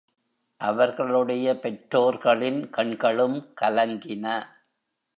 அவர்களுடைய பெற்றோர்களின் கண்களும் கலங்கின.